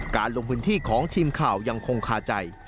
ลงพื้นที่ของทีมข่าวยังคงคาใจ